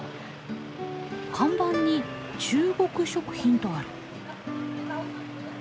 看板に「中国食品」とある。